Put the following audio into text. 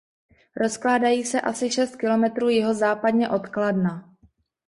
Rozkládají se asi šest kilometrů jihozápadně od Kladna.